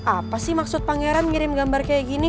apa sih maksud pangeran ngirim gambar kayak gini